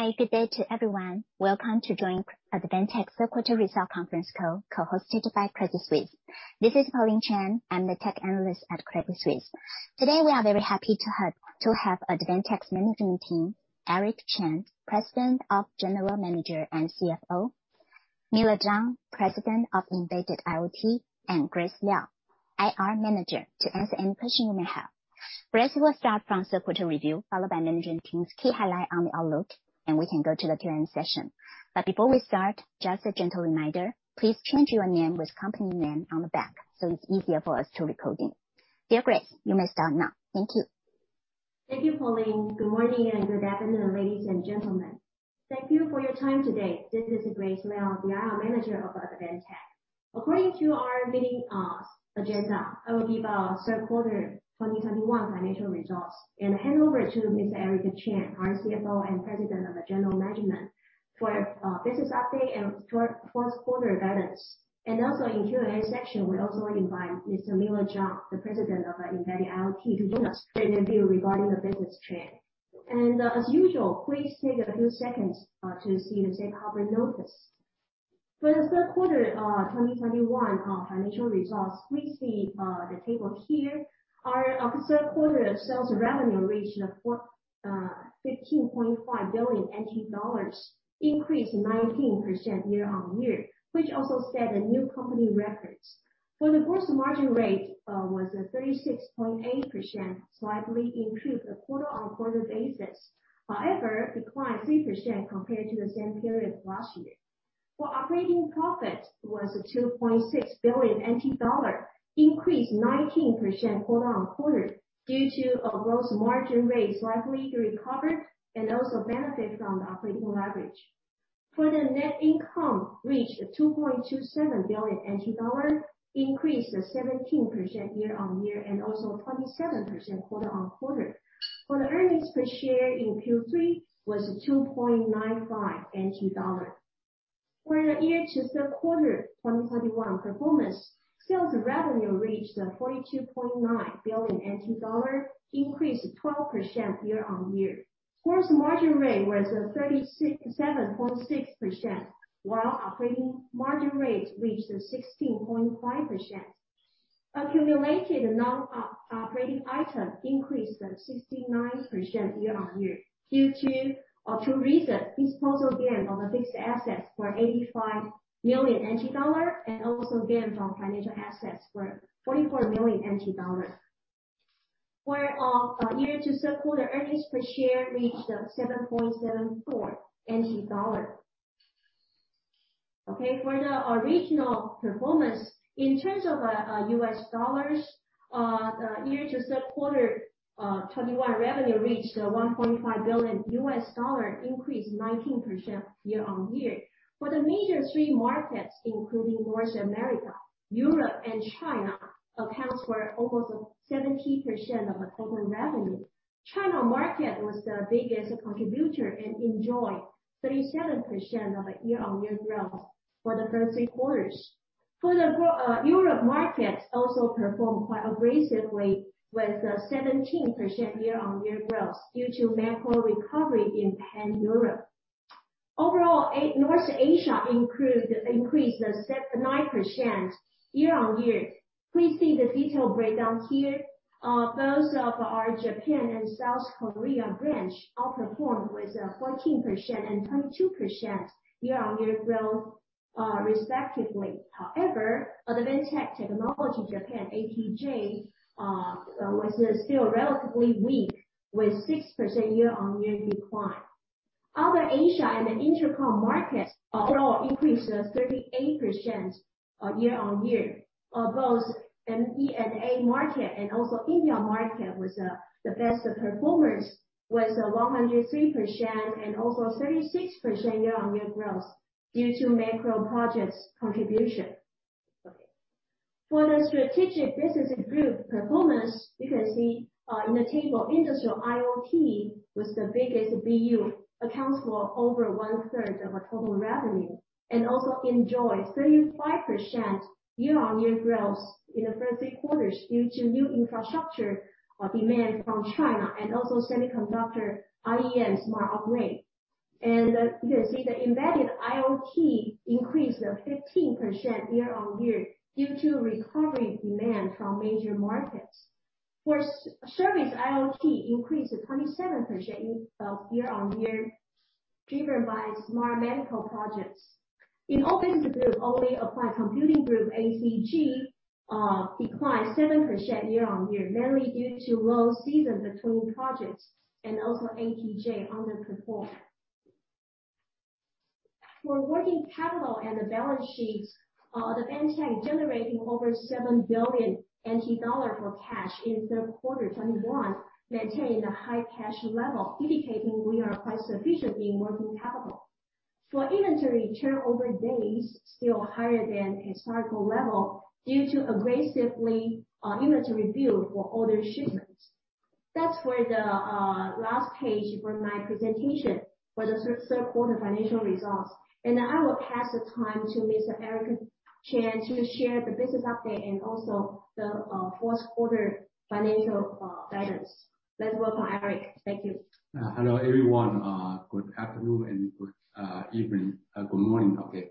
Hey. Hi, good day to everyone. Welcome to join Advantech's third quarter results conference call co-hosted by Credit Suisse. This is Pauline Chen. I'm the Tech Analyst at Credit Suisse. Today, we are very happy to have Advantech's management team, Eric Chen, President of General Management and CFO, Miller Chang, President of Embedded IoT, and Grace Liao, IR Manager, to answer any question you may have. Grace will start from third quarter review, followed by management team's key highlight on the outlook, and we can go to the Q&A session. Before we start, just a gentle reminder, please change your name with company name on the back, so it's easier for us to recording. Dear Grace, you may start now. Thank you. Thank you, Pauline. Good morning, and good afternoon, ladies and gentlemen. Thank you for your time today. This is Grace Liao, the IR Manager of Advantech. According to our meeting agenda, I will give our third quarter 2021 financial results and hand over to Mr. Eric Chen, our CFO and President of General Management for business update and fourth quarter guidance. Also in Q&A section, we also invite Mr. Miller Chang, the President of our Embedded IoT, to give us his view regarding the business trend. As usual, please take a few seconds to see the safe harbor notice. For the third quarter 2021 financial results, please see the table here. Our third quarter sales revenue reached 14.5 billion NT dollars, increased 19% year-on-year, which also set a new company records. For the gross margin rate was 36.8%, slightly improved on a quarter-over-quarter basis. However, declined 3% compared to the same period last year. For operating profit was 2.6 billion NT dollar, increased 19% quarter-over-quarter due to a gross margin rate slightly recovered and also benefit from the operating leverage. For the net income reached 2.27 billion NT dollar, increased 17% year-over-year and also 27% quarter-over-quarter. For the earnings per share in Q3 was 2.95 NT dollars. For the year to third quarter 2021 performance, sales revenue reached 42.9 billion NT dollar, increased 12% year-over-year. Gross margin rate was 37.6%, while operating margin rate reached 16.5%. Accumulated non-operating item increased 69% year-on-year due to two reason: disposal gain on the fixed assets for 85 million dollar and also gain from financial assets for 44 million dollar. For our year-to-date third quarter earnings per share reached 7.74 dollar. For the overall performance in terms of U.S. dollars, the year-to-date third quarter 2021 revenue reached $1.5 billion, increased 19% year-on-year. For the major three markets, including North America, Europe and China, accounts for over 70% of the total revenue. China market was the biggest contributor and enjoyed 37% year-on-year growth for the first three quarters. Europe market also performed quite aggressively with 17% year-on-year growth due to macro recovery in pan-Europe. Overall, North Asia increased 9% year-over-year. Please see the detailed breakdown here. Both of our Japan and South Korea branch outperformed with 14% and 22% year-over-year growth, respectively. However, Advantech Technologies Japan, ATJ, was still relatively weak with 6% year-over-year decline. Other Asia and the EMEA market overall increased 38% year-over-year. Both MEA market and also India market was the best performers with 103% and also 36% year-over-year growth due to macro projects contribution. Okay. For the strategic business group performance, you can see in the table Industrial IoT was the biggest BU, accounts for over 1/3 of our total revenue and also enjoyed 35% year-on-year growth in the first three quarters due to new infrastructure demand from China and also semiconductor IEM smart upgrade. You can see the Embedded IoT increased 15% year-on-year due to recovery demand from major markets. For Service-IoT increased 27% year-on-year, driven by smart medical projects. In all business group, only Applied Computing Group, ACG, declined 7% year-on-year, mainly due to low season between projects and also ATJ underperform. For working capital and the balance sheets, Advantech generating over 7 billion dollar for cash in third quarter 2021, maintaining the high cash level, indicating we are quite sufficient in working capital. For inventory, turnover days still higher than historical level due to aggressively inventory build for order shipments. That's for the last page for my presentation for the third quarter financial results. I will pass the time to Mr. Eric Chen to share the business update and also the fourth quarter financial guidance. Let's welcome Eric. Thank you. Hello, everyone. Good afternoon and good evening. Good morning, okay.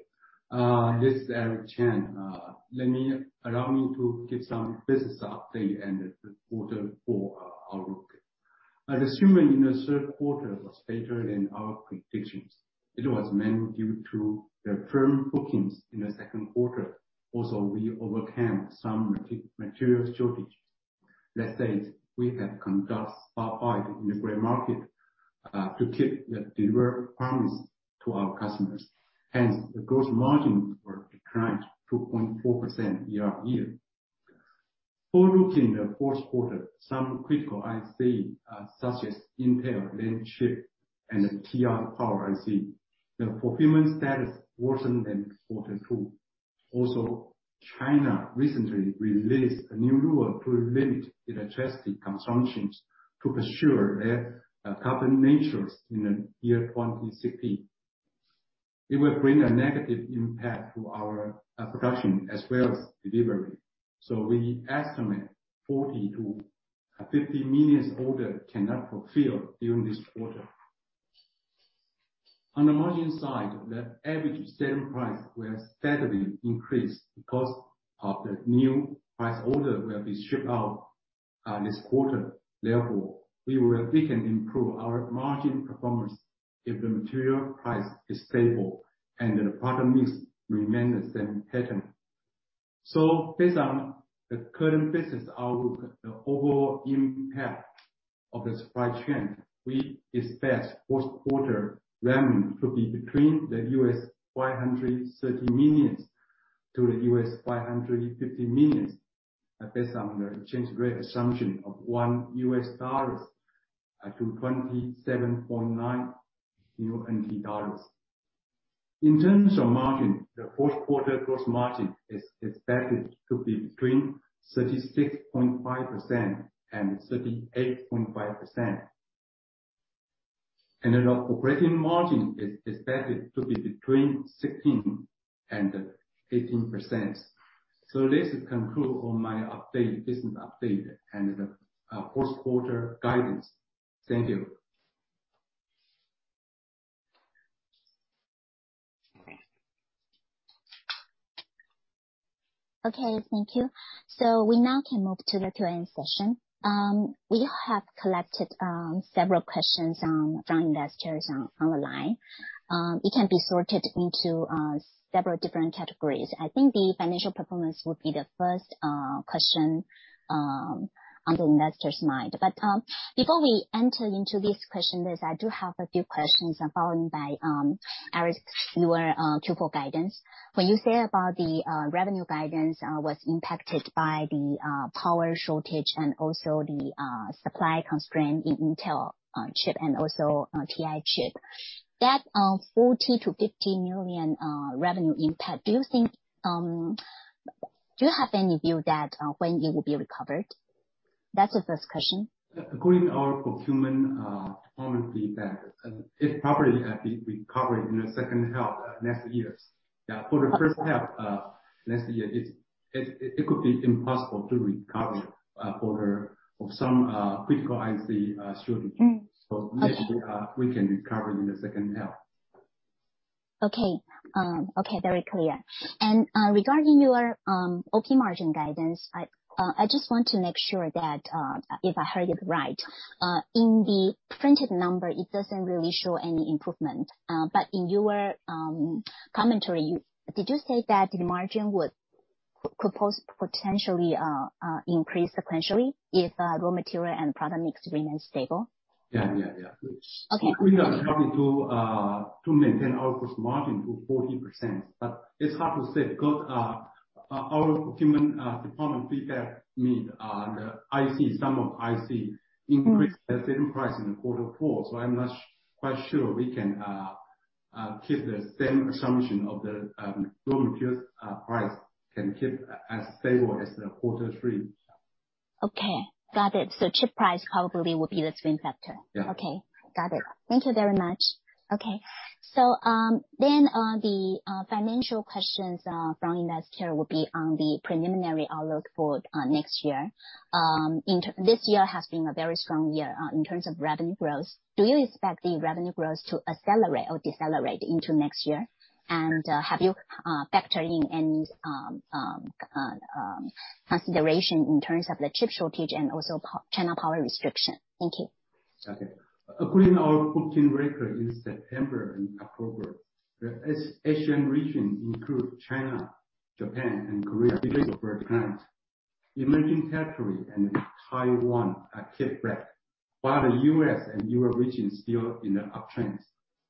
This is Eric Chen. Allow me to give some business update and the quarterly outlook. Our assumption in the third quarter was better than our predictions. It was mainly due to the firm bookings in the second quarter. We overcame some material shortages. We conducted spot buys in the gray market to keep the delivery promise to our customers. Hence, the gross margins declined 2.4% year-on-year. Looking at the fourth quarter, some critical ICs, such as Intel LAN chip and TI power IC. The fulfillment status worsened than quarter two. China recently released a new rule to limit electricity consumption to pursue their carbon neutrality in the year 2060. It will bring a negative impact to our production as well as delivery. We estimate 40-50 million orders cannot fulfill during this quarter. On the margin side, the average sale price will steadily increase because of the new price order will be shipped out, this quarter. Therefore, we can improve our margin performance if the material price is stable and the product mix remain the same pattern. Based on the current business outlook, the overall impact of the supply chain, we expect fourth quarter revenue to be between $530 million-$550 million, based on the exchange rate assumption of $1 to TWD 27.9. In terms of margin, the fourth quarter gross margin is expected to be between 36.5% and 38.5%. Operating margin is expected to be between 16% and 18%. This conclude all my update, business update and the fourth quarter guidance. Thank you. Okay. Thank you. We now can move to the Q&A session. We have collected several questions from investors on the line. It can be sorted into several different categories. I think the financial performance would be the first question on the investor's mind. Before we enter into these question list, I do have a few questions followed by Eric's newer Q4 guidance. When you say about the revenue guidance was impacted by the power shortage and also the supply constraint in Intel chip and also TI chip. That 40 million-50 million revenue impact, do you think. Do you have any view that when it will be recovered? That's the first question. According to our procurement department feedback, it probably have been recovered in the second half of next year. Yeah. For the first half of next year, it could be impossible to recover for some critical IC shortage. Okay. Next year, we can recover in the second half. Okay. Okay, very clear. Regarding your OP margin guidance, I just want to make sure that if I heard it right. In the printed number, it doesn't really show any improvement. In your commentary, did you say that the margin would potentially increase sequentially if raw material and product mix remain stable? Yeah, yeah. Okay. We are struggling to maintain our gross margin to 40%, but it's hard to say because our procurement department feedback, we need the IC, some of the ICs increase the same price in quarter four. I'm not quite sure we can keep the same assumption that the raw materials price can keep as stable as the quarter three. Okay. Got it. Chip price probably will be the swing factor. Yeah. Okay. Got it. Thank you very much. Okay. The financial questions from investor will be on the preliminary outlook for next year. This year has been a very strong year in terms of revenue growth. Do you expect the revenue growth to accelerate or decelerate into next year? Have you factored in any consideration in terms of the chip shortage and also China power restriction? Thank you. Okay. According to our booking record in September and October, the Asia region include China, Japan and Korea, these are core clients. Emerging territory and Taiwan are kept back, while the U.S. and Europe region still in the uptrends.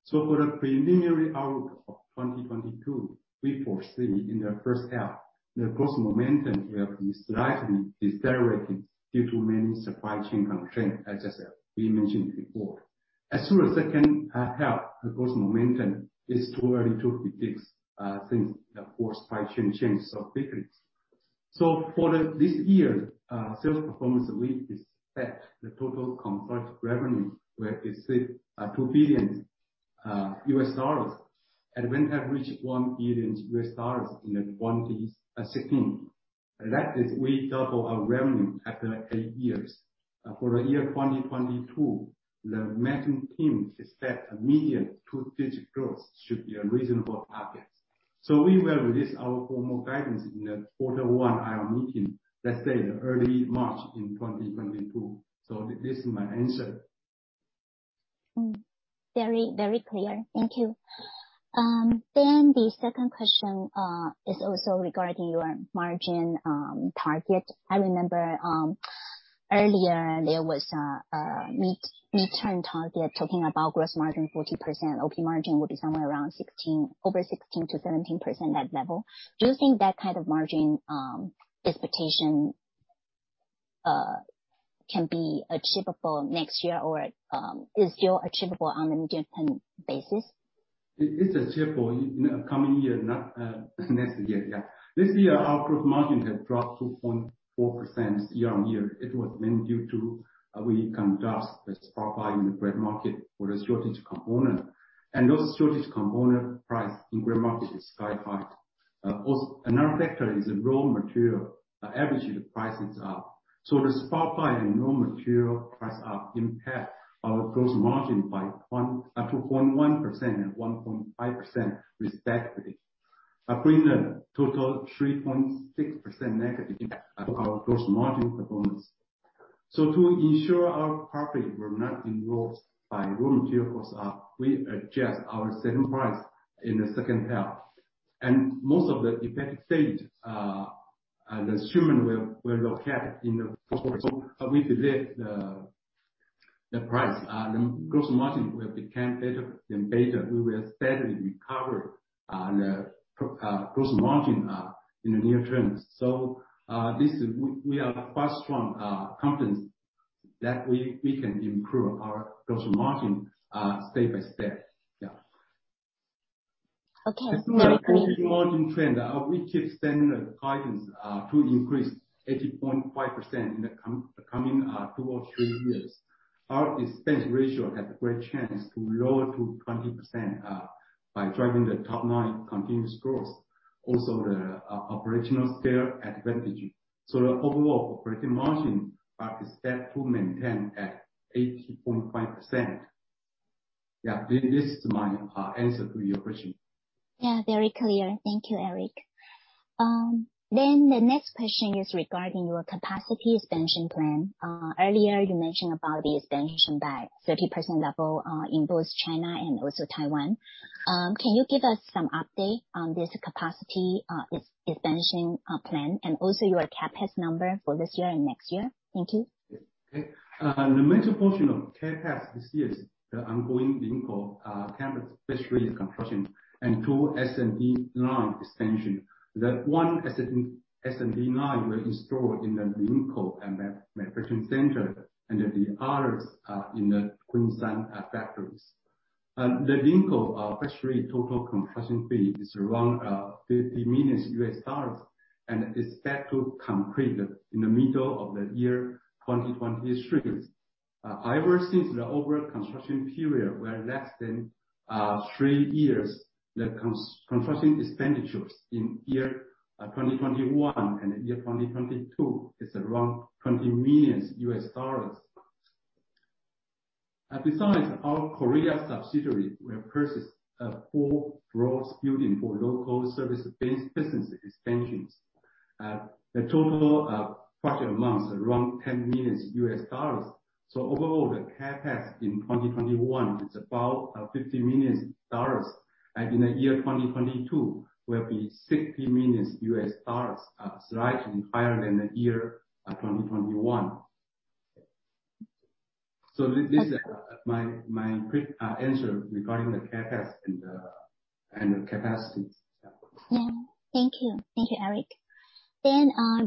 For the preliminary outlook of 2022, we foresee in the first half, the growth momentum will be slightly decelerating due to many supply chain constraints, as we mentioned before. As for the second half, the growth momentum is too early to predict since the future supply chain changes are different. This year sales performance, we expect the total consolidated revenue will exceed $2 billion and reached $1 billion in 2016. That is we double our revenue after eight years. For the year 2022, the management team expect immediate two-digit growth should be a reasonable target. We will release our formal guidance in the quarter one IR meeting, let's say the early March in 2022. This is my answer. Very clear. Thank you. The second question is also regarding your margin target. I remember earlier there was a mid-term target talking about gross margin 40%, OP margin will be somewhere around 16%, over 16%-17% that level. Do you think that kind of margin expectation can be achievable next year or is still achievable on the medium-term basis? It's achievable in the coming year, not next year. Yeah. This year, our gross margin has dropped 2.4% year-on-year. It was mainly due to we conduct the spot buy in the gray market for the shortage component. Those shortage component price in gray market is sky high. Another factor is the raw material. The average price is up. The spot buy and raw material price up impact our gross margin by 0.1% and 1.5% respectively. Bringing total 3.6% negative of our gross margin performance. To ensure our profit were not enrolled by raw material cost up, we adjust our selling price in the second half. Most of the effect take the stream will reflect in the fourth quarter. We believe the price, the gross margin will become better and better. We will steadily recover the gross margin in the near term. We are quite strong confidence that we can improve our gross margin step-by-step. Yeah. Okay. Similar operating margin trend, we keep standard guidance to increase 18.5% in the coming two or three years. Our expense ratio has a great chance to lower to 20%, by driving the top-line continuous growth. Also the operational scale advantage. The overall operating margin are expected to maintain at 18.5%. Yeah. This is my answer to your question. Yeah, very clear. Thank you, Eric. The next question is regarding your capacity expansion plan. Earlier you mentioned about the expansion by 30% level in both China and also Taiwan. Can you give us some update on this capacity expansion plan and also your CapEx number for this year and next year? Thank you. The major portion of CapEx this year is the ongoing Linkou campus phase three construction and two SMT line expansion. The one SMT line were installed in the Linkou manufacturing center, and then the others are in the Kunshan factories. The Linkou phase three total construction fee is around $50 million and is set to complete in the middle of the year 2023. However, since the overall construction period were less than three years, the construction expenditures in year 2021 and year 2022 is around $20 million. Besides our Korea subsidiary, we have purchased four raw building for local service-based business expansions. The total project amounts are around $10 million. Overall, the CapEx in 2021 is about $50 million. In the year 2022 will be $60 million, slightly higher than the year 2021. This my quick answer regarding the CapEx and the capacity. Yeah. Thank you. Thank you, Eric.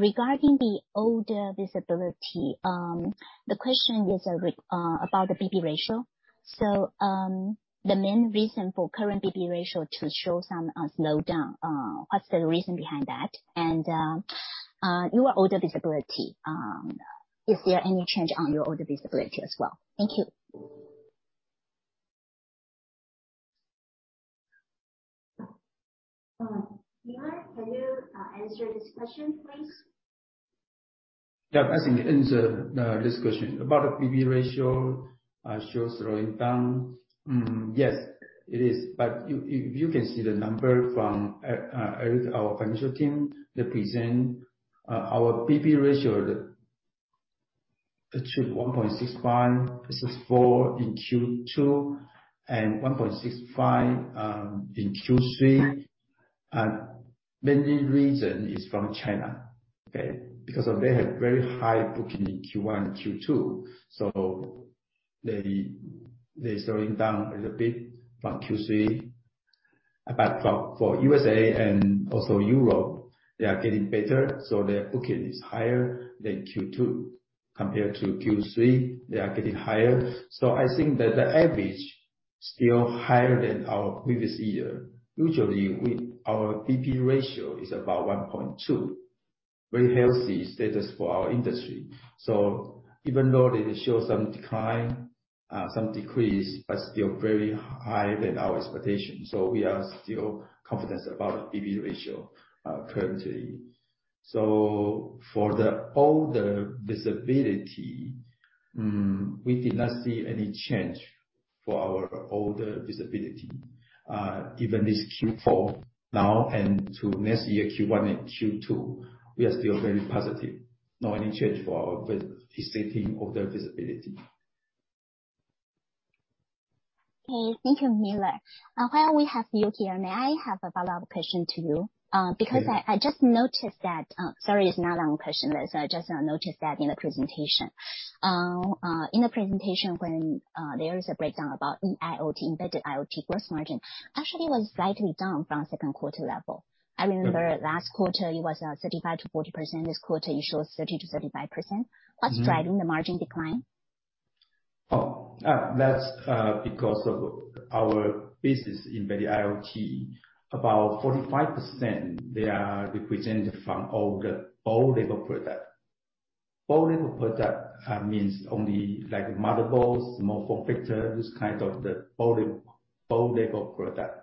Regarding the order visibility, the question is about the BB ratio. The main reason for current BB ratio to show some slowdown, what's the reason behind that? Your order visibility, is there any change in your order visibility as well? Thank you. Miller, can you answer this question please? Yeah. I can answer this question. About the BB ratio shows slowing down. Yes, it is. You can see the number from Eric, our financial team. They present our BB ratio to 1.65 [business 4] in Q2 and 1.65 in Q3. Mainly reason is from China. Okay? Because they have very high booking in Q1 and Q2, so they slowing down a little bit from Q3. For USA and also Europe, they are getting better, so their booking is higher than Q2. Compared to Q3, they are getting higher. I think that the average still higher than our previous year. Usually our BB ratio is about 1.2. Very healthy status for our industry. Even though they show some decline. Some decrease, but still higher than our expectation. We are still confident about BB ratio currently. For the order visibility, we did not see any change for our order visibility. Even this Q4 now and to next year Q1 and Q2, we are still very positive. No change for our order visibility or order visibility. Okay. Thank you, Miller. While we have you here, may I have a follow-up question to you? Yeah. I just noticed that, sorry, it's not on question list. I just now noticed that in the presentation when there is a breakdown about Embedded IoT gross margin, actually was slightly down from second quarter level. Mm-hmm. I remember last quarter it was 35%-40%. This quarter it shows 30%-35%. Mm-hmm. What's driving the margin decline? That's because of our business Embedded IoT. About 45%, they are represented from all the board-level product. Board-level product means only like motherboards, small form factor, this kind of the board-level product.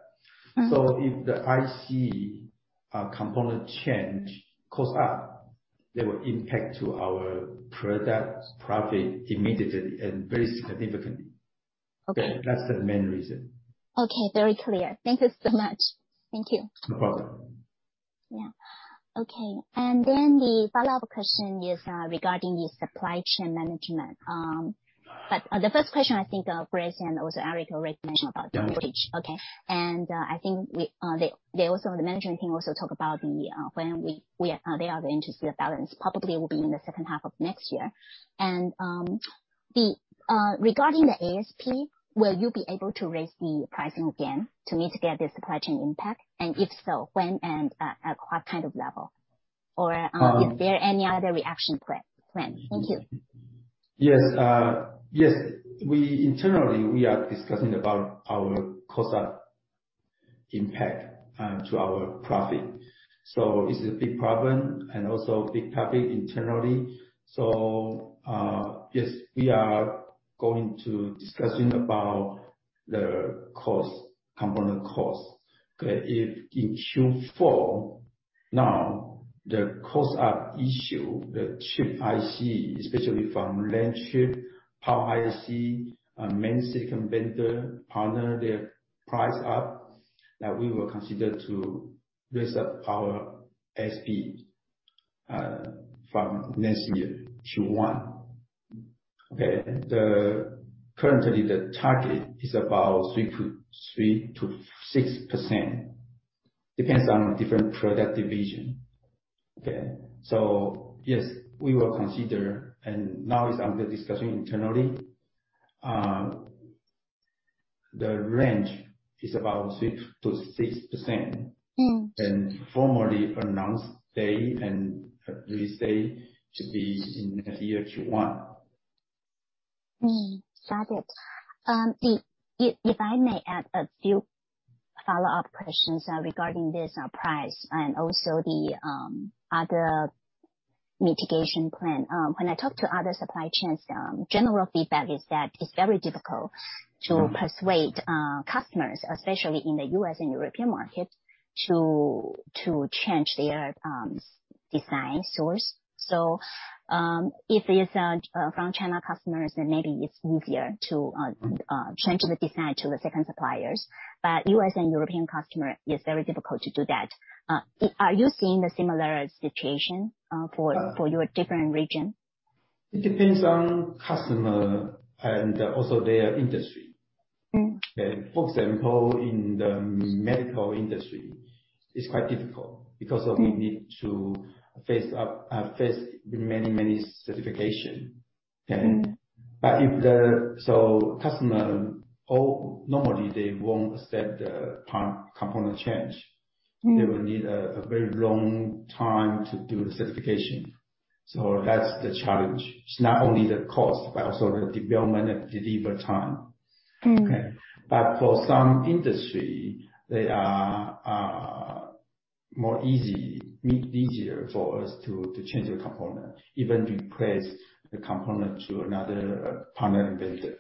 Mm-hmm. If the IC component costs go up, they will impact our product profit immediately and very significantly. Okay. That's the main reason. Okay. Very clear. Thank you so much. Thank you. No problem. Yeah. Okay. The follow-up question is regarding the supply chain management. The first question I think Grace and also Eric already mentioned about the bridge. Yeah. Okay. I think the management team also talk about when the inventory balance probably will be in the second half of next year. Regarding the ASP, will you be able to raise the pricing again to mitigate the supply chain impact? If so, when and at what kind of level? Or Um- Is there any other reaction plan? Thank you. Yes. We internally are discussing about our cost up impact to our profit. It's a big problem and also big topic internally. Yes, we are going to discussing about the cost, component cost. Okay. If in Q4 now the cost up issue, the chip IC, especially from LAN chip, Power IC, and mainstream vendor partner their price up, that we will consider to raise up our ASP from next year Q1. Okay? Currently the target is about 3%-6%. Depends on different product division. Okay? Yes, we will consider, and now it's under discussion internally. The range is about 5%-6%. Mm. Formally announce day and release day to be in the year Q1. Got it. If I may add a few follow-up questions regarding this price and also the other mitigation plan. When I talk to other supply chains, general feedback is that it's very difficult to persuade customers, especially in the U.S. and European market, to change their design source. If it's from China customers then maybe it's easier to change the design to the second suppliers. But U.S. and European customer, it's very difficult to do that. Are you seeing the similar situation for your different region? It depends on customer and also their industry. Mm. Okay. For example, in the medical industry, it's quite difficult because of. Mm. We need to face many certification. Okay? Mm. Customer, all normally they won't accept the part, component change. Mm. They will need a very long time to do the certification. That's the challenge. It's not only the cost, but also the development and deliver time. Mm. Okay? For some industry, they are easier for us to change the component, even replace the component to another partner vendor.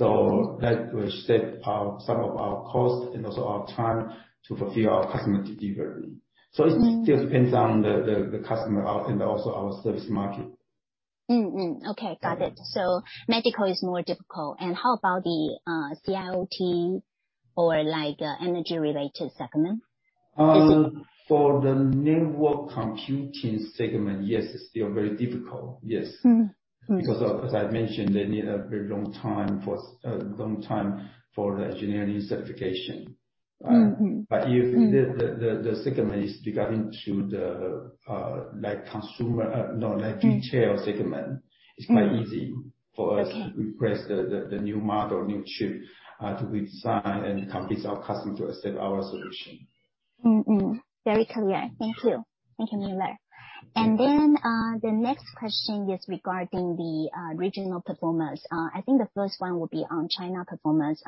Mm. That will save some of our cost and also our time to fulfill our customer delivery. Mm. It still depends on the customer outlook and also our service market. Okay. Got it. Okay. Medical is more difficult. How about the IIoT or like energy-related segment? Is it- For the network computing segment, yes, it's still very difficult. Yes. Mm. Mm. As I mentioned, they need a very long time for the engineering certification. Mm, mm. If the segment is regarding to the, like, consumer, no, like Mm. -Retail segment- Mm. It's quite easy for us. Okay. To replace the new model, new chip, to redesign and convince our customer to accept our solution. Very clear. Thank you. Thank you, Miller. The next question is regarding the regional performance. I think the first one will be on China performance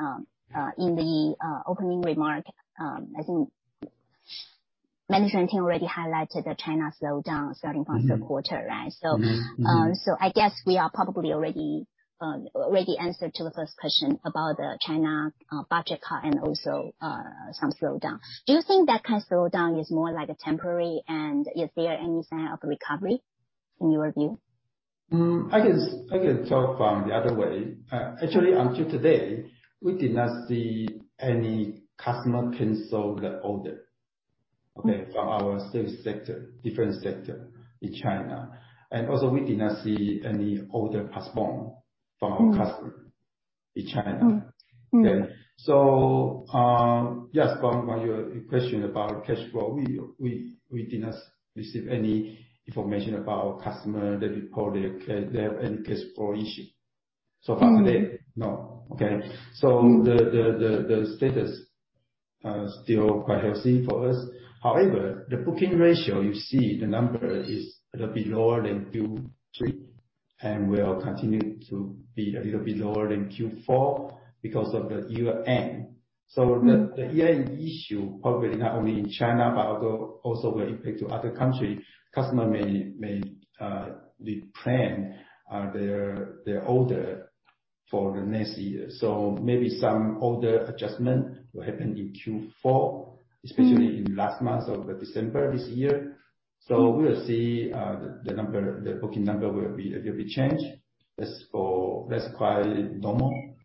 in the opening remark. Management team already highlighted the China slowdown starting from third quarter, right? Mm-hmm. I guess we are probably already answered to the first question about the China budget cut and also some slowdown. Do you think that kind of slowdown is more like a temporary, and is there any sign of recovery in your view? I can talk from the other way. Actually, until today, we did not see any customer cancel the order. Okay. From our service sector, different sector in China. We did not see any order postponed from customer in China. Mm. Mm. Okay? Yes, from your question about cash flow, we did not receive any information about customer that report they have any cash flow issue. Mm. So far today, no. Okay? Mm. The status still quite healthy for us. However, the book-to-bill ratio, you see, the number is a little bit lower than Q3, and will continue to be a little bit lower than Q4 because of the year end. Mm. The year end issue probably not only in China but also will impact to other country. Customer may re-plan their order for the next year. Maybe some order adjustment will happen in Q4. Mm. Especially in last month of December this year. Mm. We will see the booking number will be a little bit changed. That's quite normal.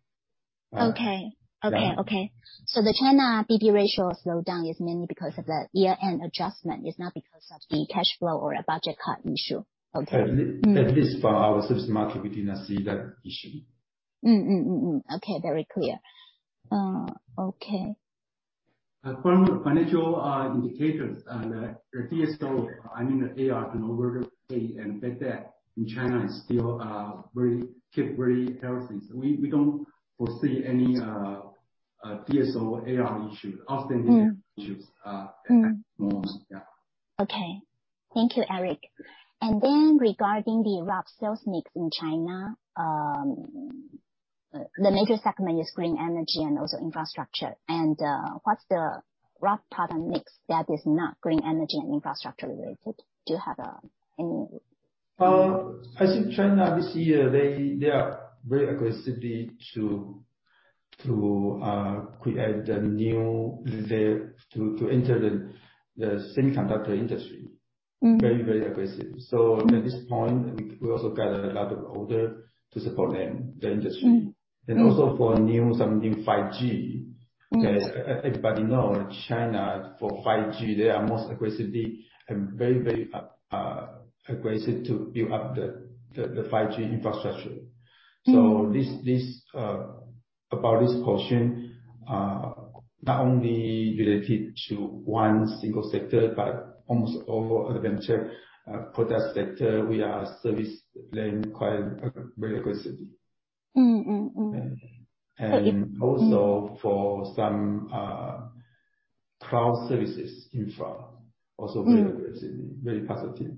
Okay. Yeah. The China BB ratio slowdown is mainly because of the year-end adjustment. It's not because of the cash flow or a budget cut issue. Okay. At l- Mm. At least for our service market, we do not see that issue. Okay. Very clear. Okay. From the financial indicators, the DSO, I mean the AR turnover day, and bad debt in China is still very healthy. We don't foresee any DSO, AR issue, outstanding- Mm. issues, at the moment. Yeah. Okay. Thank you, Eric. Regarding the rough sales mix in China, the major segment is green energy and also infrastructure. What's the rough product mix that is not green energy and infrastructure related? Do you have any- I think China this year they are very aggressively to enter the semiconductor industry. Mm. Very, very aggressive. Mm. At this point we also got a lot of orders to support them, the industry. Mm. Mm. for new something 5G. Mm. Everybody knows China for 5G. They are the most aggressive and very aggressive to build up the 5G infrastructure. Mm. This is about this question, not only related to one single sector but almost all various product sector, we are servicing LAN quite very aggressively. Mm, mm. Okay? So if- for some cloud services infra. Mm. Very aggressively. Very positive.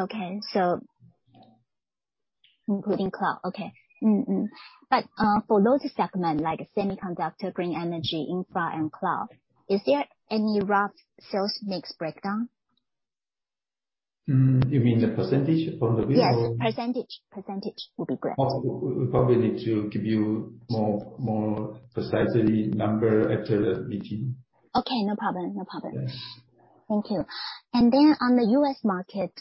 Okay. Including cloud, okay. For those segment like semiconductor, green energy, infra and cloud, is there any rough sales mix breakdown? You mean the percentage from the business? Yes, percentage. Percentage would be great. Also, we probably need to give you more precise number after the meeting. Okay, no problem. No problem. Yes. Thank you. On the U.S. market,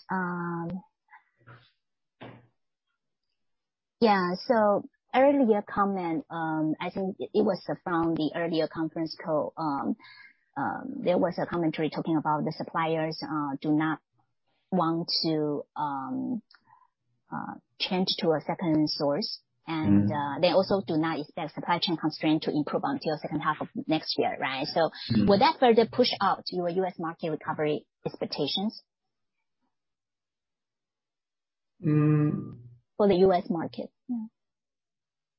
earlier comment, I think it was from the earlier conference call, there was a commentary talking about the suppliers do not want to change to a second source. Mm-hmm. They also do not expect supply chain constraint to improve until second half of next year, right? Mm-hmm. Would that further push out your U.S. market recovery expectations? Mm. For the U.S. market? Yeah.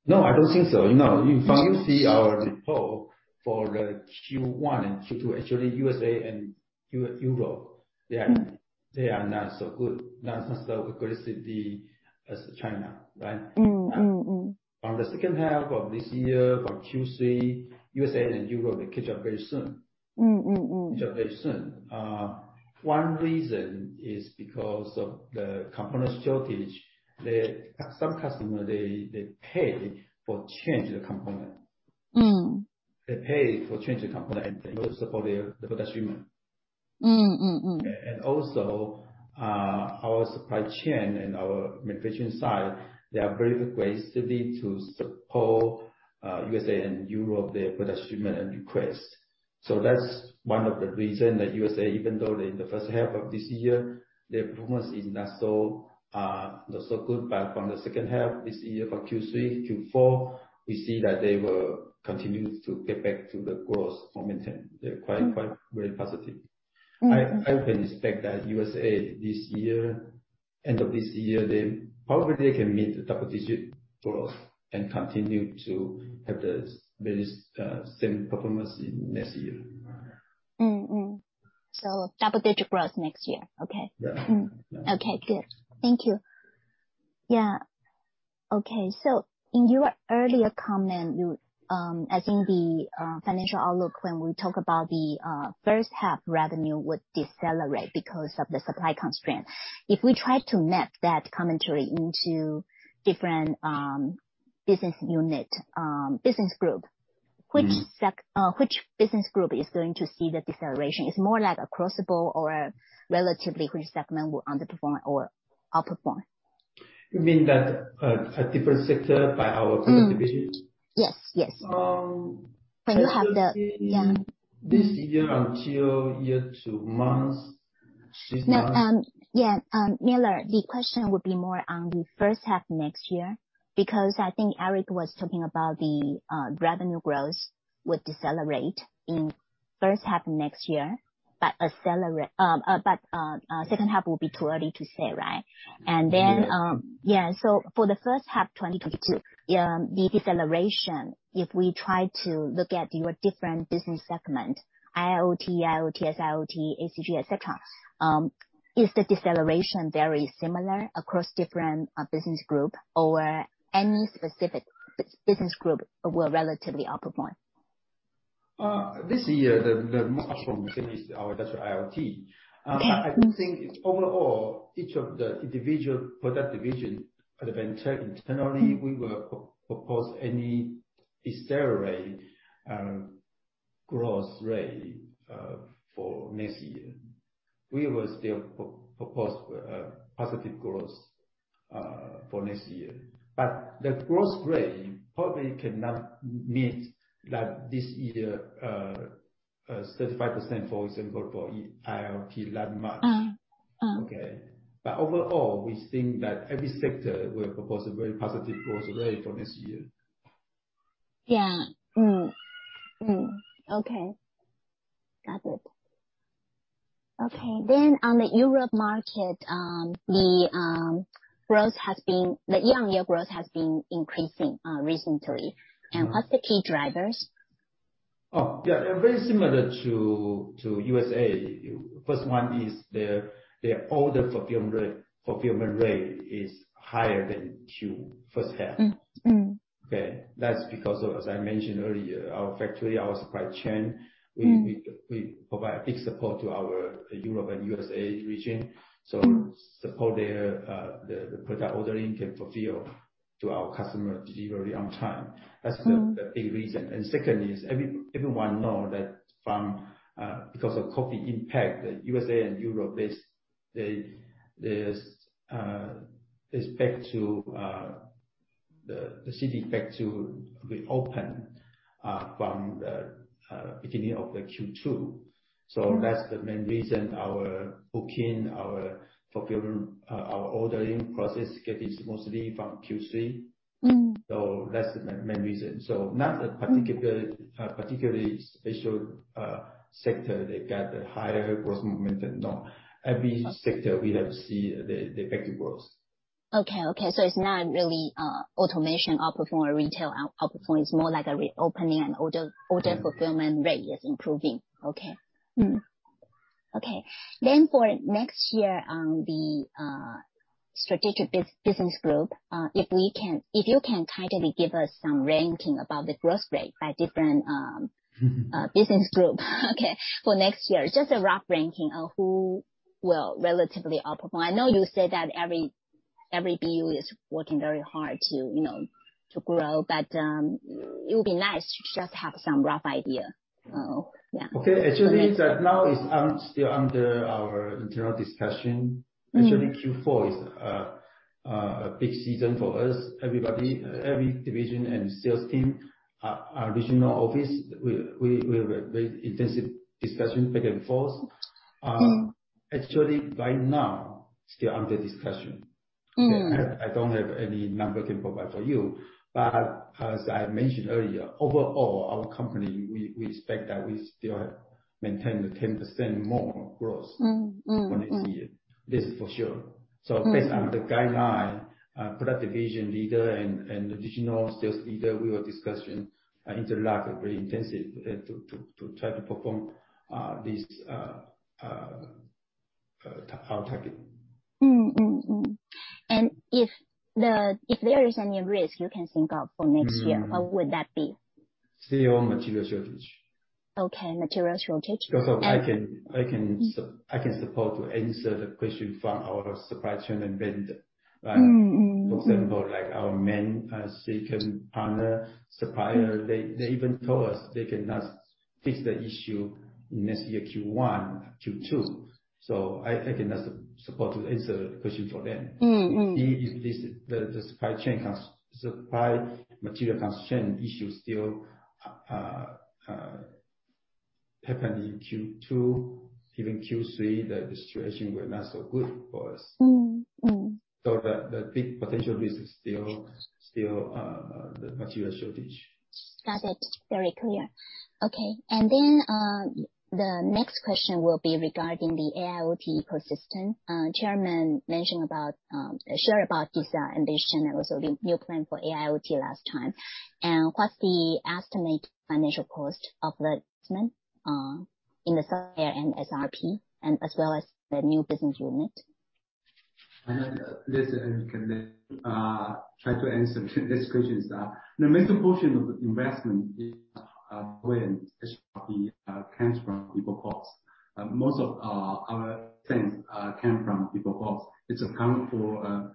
No, I don't think so. You know, if you see our report for the Q1 and Q2, actually USA and Europe. Mm. They are not so good. Not so aggressively as China, right? Mm, mm. On the second half of this year, from Q3, USA and Europe, they catch up very soon. Mm, mm. Catch up very soon. One reason is because of the component shortage. Some customer they pay to change the component. Mm. They pay for change the component in order to support their production. Mm, mm. Our supply chain and our manufacturing side, they are very aggressively to support USA and Europe their production request. That's one of the reason that USA, even though in the first half of this year, their performance is not so good. From the second half this year for Q3, Q4, we see that they will continue to get back to the growth momentum. Mm. They're quite, very positive. Mm. I even expect that U.S. this year, end of this year, they probably can meet the double-digit growth and continue to have the very same performance in next year. Double digit growth next year. Okay. Yeah. Mm. Yeah. Okay, good. Thank you. Yeah. Okay. In your earlier comment, you, I think the financial outlook when we talk about the first half revenue would decelerate because of the supply constraint. If we try to map that commentary into different business unit business group. Mm-hmm. Which business group is going to see the deceleration? It's more like across the board or relatively which segment will underperform or outperform? You mean that, a different sector by our product division? Yes. Yes. Actually. Yeah. This year until year-to-date, this month. No, yeah, Miller, the question would be more on the first half next year, because I think Eric was talking about the revenue growth would decelerate in first half next year, but accelerate, but second half will be too early to say, right? Yeah. For the first half 2022, the deceleration, if we try to look at your different business segment, IIoT, SIoT, IoT, ACG, et cetera, is the deceleration very similar across different business group or any specific business group will relatively outperform? This year, the [Cash Cow] is our Industrial IoT. Okay. I think it's overall, each of the individual product division have been internally proposing a decelerated growth rate for next year. We will still propose positive growth for next year. The growth rate probably cannot meet like this year 35%, for example, for IIoT last month. Uh, uh. Okay? Overall, we think that every sector will propose a very positive growth rate for next year. On the Europe market, the year-on-year growth has been increasing recently. Mm-hmm. What's the key drivers? Oh, yeah. They're very similar to USA First one is their order fulfillment rate is higher than Quarter first half. Mm, mm. Okay? That's because of, as I mentioned earlier, our factory, our supply chain. Mm. We provide big support to our Europe and USA region. Mm. Support their the product ordering can fulfill to our customer delivery on time. Mm. That's the big reason. Second is everyone knows that because of COVID impact, the USA and Europe, the cities are back to reopen from the beginning of the Q2. Mm. That's the main reason our booking, our fulfillment, our ordering process gap is mostly from Q3. Mm. That's the main reason. Not a particularly Mm. Particularly special sector that got a higher growth momentum. No. Every sector we have seen the effective growth. It's not really automation outperforming or retail outperforming. It's more like a reopening and order fulfillment rate is improving. Okay. For next year, the strategic business group, if you can kindly give us some ranking about the growth rate by different, Mm-hmm. Business group, okay, for next year. Just a rough ranking of who will relatively outperform. I know you said that every BU is working very hard to, you know, to grow, but it would be nice to just have some rough idea. Yeah. Actually, that now is still under our internal discussion. Mm-hmm. Actually, Q4 is a big season for us. Everybody, every division and sales team, our regional office, we have a very intensive discussion back and forth. Mm. Actually right now, still under discussion. Mm. I don't have any numbers I can provide for you. As I mentioned earlier, overall, our company, we expect that we still maintain 10% more growth- Mm. Mm. Mm. for next year. This is for sure. Mm. Based on the guideline, product division leader and regional sales leader, we are interacting very intensively to try to perform our target. If there is any risk you can think of for next year. Mm. What would that be? Still material shortage. Okay. Material shortage. Because I can support to answer the question from our supply chain and vendor. Right? Mm. Mm. Mm. For example, like our main, second partner, supplier. Mm. They even told us they cannot fix the issue next year Q1, Q2, so I cannot support to answer the question for them. Mm. Mm. If the supply chain constraint issue still happen in Q2, even Q3, the situation will not so good for us. Mm. Mm. The big potential risk is still the material shortage. Got it. Very clear. Okay. The next question will be regarding the AIoT ecosystem. Chairman mentioned about, shared about this ambition and also the new plan for AIoT last time. What's the estimate financial cost of the investment in the software and SRP and as well as the new business unit? We can try to answer these questions that the major portion of investment is in OpEx comes from people cost. Most of our things come from people cost. It accounts for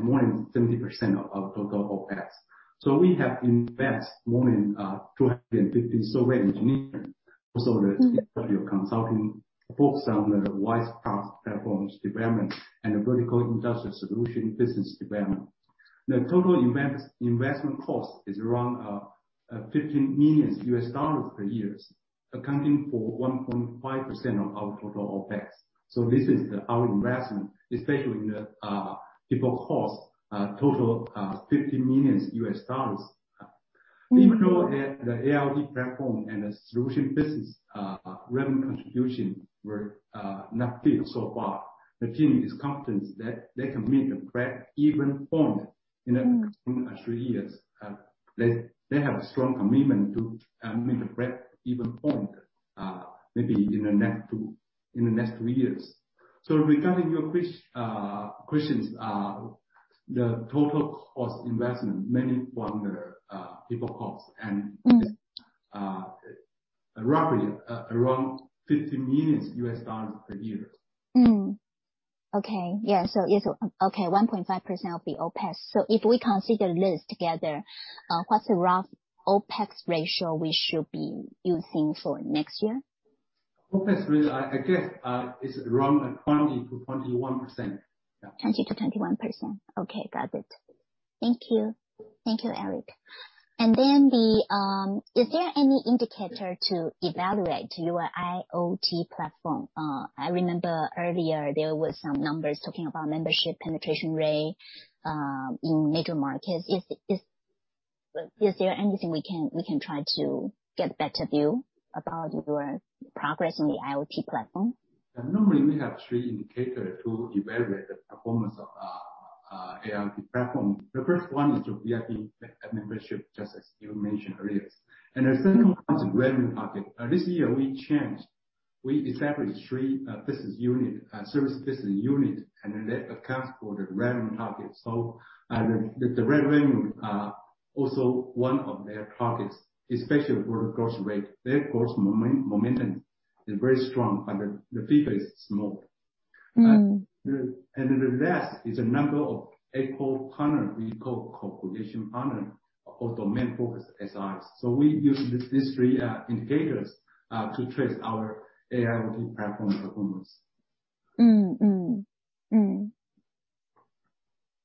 more than 70% of total OpEx. We have invested more than 250 software engineers. Also the consulting focuses on the WISE-PaaS platform's development and the vertical industrial solution business development. The total investment cost is around $15 million per year, accounting for 1.5% of our total OpEx. This is our investment, especially in the people cost, total $15 million. Even though the AIoT platform and the solution business revenue contribution were not big so far, the team is confident that they can meet the breakeven point in three years. They have a strong commitment to meet the breakeven point maybe in the next two, in the next three years. Regarding your questions, the total cost investment mainly from the people cost and Mm. Roughly around $15 million per year. Okay, 1.5% of the OpEx. If we consider this together, what's the rough OpEx ratio we should be using for next year? OpEx ratio, I guess, is around 20%-21%. Yeah. 20%-21%. Okay. Got it. Thank you. Thank you, Eric. Is there any indicator to evaluate your IoT platform? I remember earlier there were some numbers talking about membership penetration rate in major markets. Is there anything we can try to get better view about your progress on the IoT platform? Normally, we have three indicator to evaluate the performance of our IoT platform. The first one is your VIP membership, just as you mentioned earlier. The second one is revenue target. This year we changed. We established three business unit service business unit, and they account for the revenue target. The revenue also one of their targets, especially for the growth rate. Their growth momentum is very strong, and the fee base is small. Mm. The last is the number of eco partner we call co-creation partner, although main focus SIs. We use these three indicators to trace our AIoT platform performance.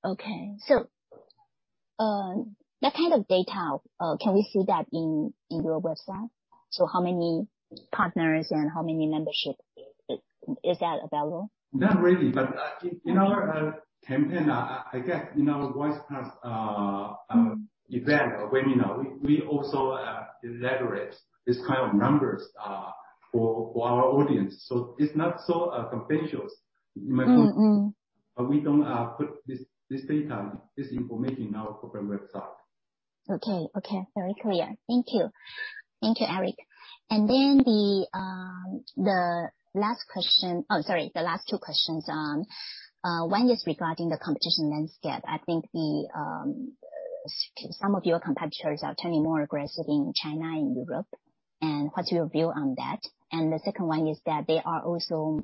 Okay. That kind of data, can we see that in your website? How many partners and how many membership? Is that available? Not really. In our campaign, I guess in our WISE-PaaS event or webinar, we also elaborate this kind of numbers for our audience. It's not so confidential. Mm, mm. We don't put this data, this information in our corporate website. Okay. Very clear. Thank you, Eric. The last two questions. One is regarding the competition landscape. I think some of your competitors are turning more aggressive in China and Europe, and what's your view on that? The second one is that they are also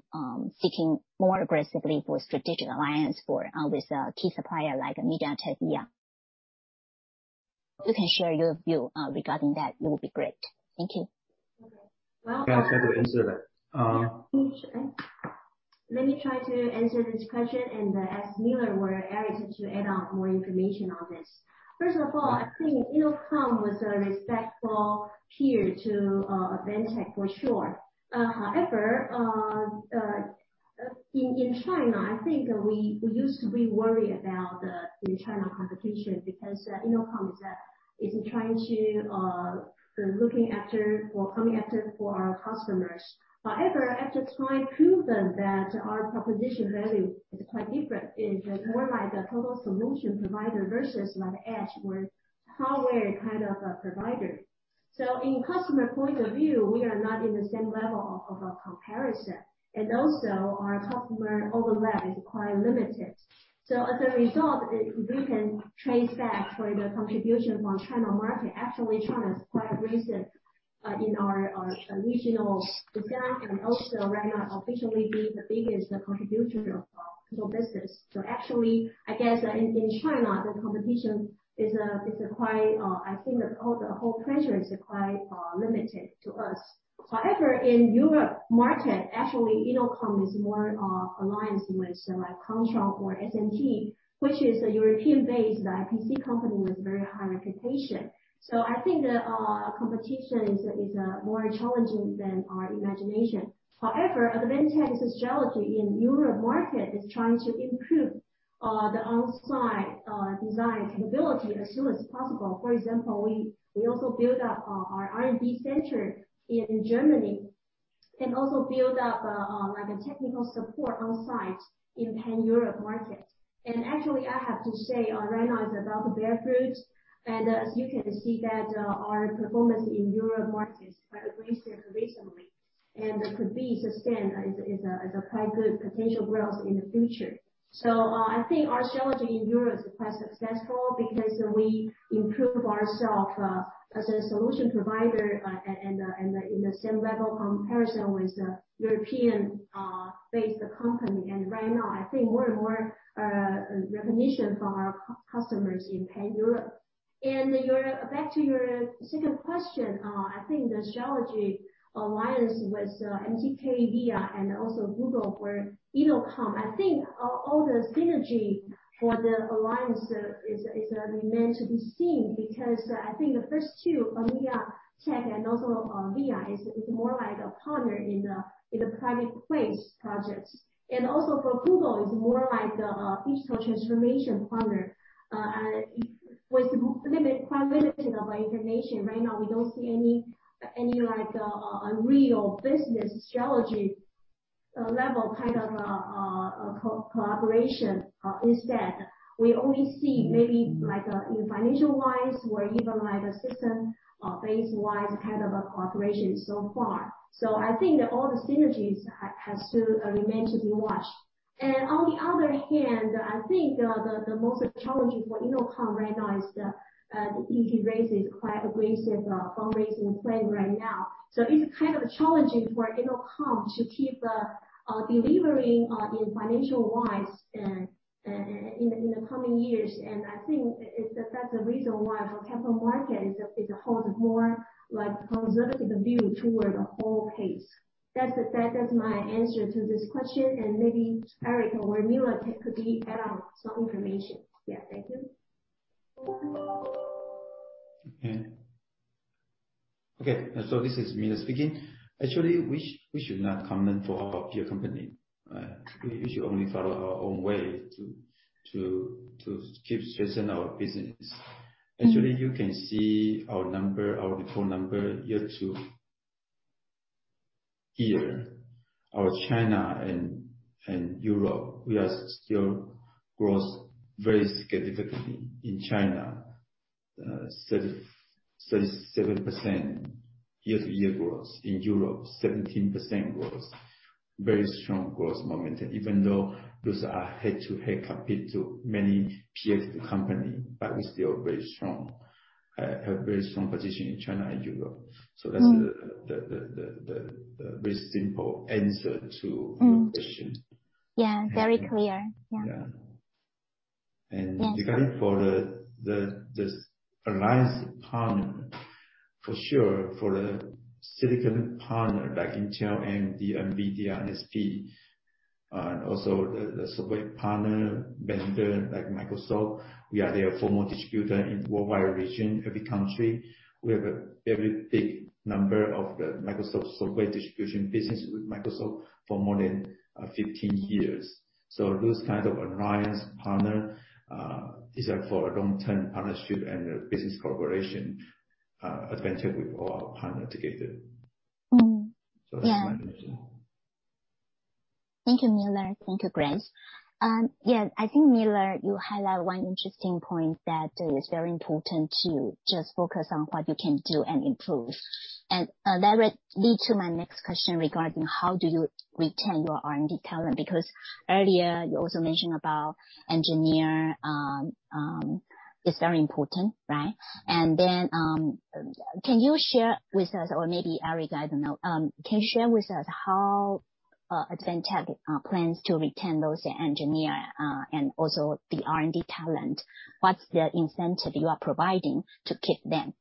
seeking more aggressively for strategic alliance with key supplier like MediaTek. Yeah. You can share your view regarding that. It would be great. Thank you. Okay. Well, I'll Yeah, I'll try to answer that. Let me try to answer this question and ask Miller or Eric to add on more information on this. First of all, I think Ennoconn was a respectful peer to Advantech for sure. However, in China, I think we used to be worried about the China competition, because Ennoconn is trying to looking after or coming after for our customers. However, after time proven that our proposition value is quite different, is more like a total solution provider versus like Edge, we're hardware kind of a provider. In customer point of view, we are not in the same level of a comparison. Also our customer overlap is quite limited. As a result, we can trace back for the contribution from China market. Actually, China is quite recent in our regional design and also right now officially being the biggest contributor of our total business. Actually, I guess in China, the competition is quite, I think the whole pressure is quite limited to us. However, in Europe market, actually Ennoconn is more alliance with like Kontron or S&T, which is a European-based IPC company with very high reputation. I think the competition is more challenging than our imagination. However, Advantech's strategy in Europe market is trying to improve the on-site design capability as soon as possible. For example, we also build up our R&D center in Germany, and also build up like a technical support on site in pan-Europe market. Actually, I have to say, right now is about to bear fruit. As you can see that our performance in European markets quite aggressive recently, and could be sustained quite good potential growth in the future. I think our strategy in Europe is quite successful because we improve ourselves as a solution provider in the same level comparison with the European-based company. Right now, I think more and more recognition for our customers in pan-Europe. Back to your second question, I think the strategic alliance with MediaTek, VIA, and also Google, with Innodisk, I think all the synergy for the alliance remains to be seen. Because I think the first two, MediaTek and also VIA is more like a partner in the private label projects. For Google, it's more like a digital transformation partner. With quite limited information right now, we don't see any like a real business strategy level kind of collaboration. Instead, we only see maybe like in financial wise or even like a system or base wise kind of a cooperation so far. I think that all the synergies has to remain to be watched. On the other hand, I think the most challenging for Innodisk right now is the DFI has quite aggressive fundraising plan right now. It's kind of challenging for Innodisk to keep delivering in financial wise in the coming years. I think it's, that's the reason why for capital market it's a, it holds more like conservative view toward the whole pace. That's my answer to this question. Maybe Eric or Miller could add on some information. Yeah. Thank you. Okay. This is Miller speaking. Actually, we should not comment for our peer company. We should only follow our own way to keep strengthening our business. Mm-hmm. Actually, you can see our number, our default number year to year. Our China and Europe, we are still growth very significantly. In China, 37% year-to-year growth. In Europe, 17% growth. Very strong growth momentum. Even though those are head-to-head competition with many peer companies, but we're still very strong. We have very strong position in China and Europe. Mm-hmm. That's the very simple answer to your question. Mm-hmm. Yeah. Very clear. Yeah. Yeah. Yes. Regarding for the alliance partner, for sure, for the silicon partner like Intel, AMD, NVIDIA, and NXP, also the software partner vendor like Microsoft, we are their former distributor in worldwide region, every country. We have a very big number of the Microsoft software distribution business with Microsoft for more than 15 years. Those kind of alliance partner is for a long-term partnership and business cooperation, Advantech with our partner together. Mm-hmm. Yeah. That's my answer. Thank you, Miller. Thank you, Grace. Yeah. I think Miller, you highlight one interesting point that is very important to just focus on what you can do and improve. That would lead to my next question regarding how do you retain your R&D talent? Because earlier you also mentioned about engineer is very important, right? Can you share with us or maybe Eric, I don't know. Can you share with us how Advantech plans to retain those engineer and also the R&D talent? What's the incentive you are providing to keep them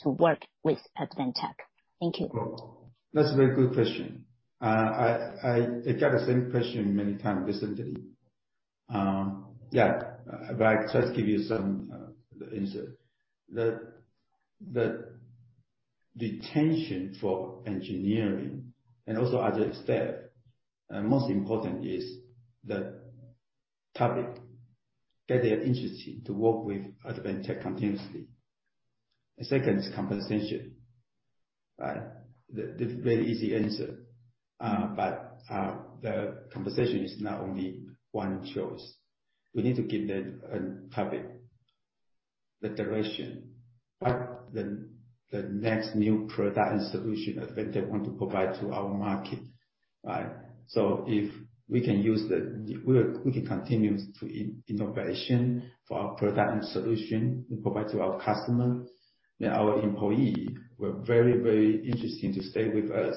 to work with Advantech? Thank you. That's a very good question. I got the same question many times recently. Yeah. I just give you some insight. The retention for engineering and also other staff, most important is the topic that they are interested to work with Advantech continuously. The second is compensation. The very easy answer. The compensation is not only one choice. We need to give them a topic, the direction, what the next new product and solution Advantech want to provide to our market, right? If we can continue to innovate for our product and solution we provide to our customer, then our employee will very interesting to stay with us,